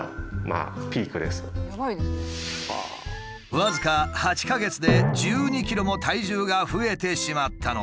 僅か８か月で１２ｋｇも体重が増えてしまったのだ。